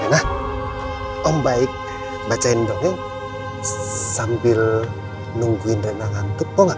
lena om baik bacain dong ya sambil nungguin lena ngantuk mau gak